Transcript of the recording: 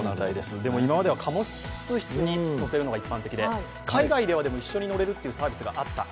でも今までは貨物室に乗せるのが一般的で海外では一緒に乗れるサービスがあった。